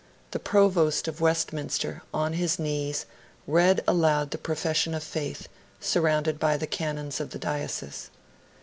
The provost of Westminster, on his knees, read aloud the Profession of Faith, surrounded by the Canons of the Diocese.